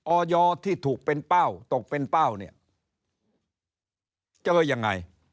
ออยที่ถูกเป็นเป้าตกเป็นเป้าเนี่ยเจอยังไง